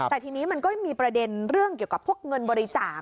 แต่ทีนี้มันก็มีประเด็นเรื่องเกี่ยวกับพวกเงินบริจาค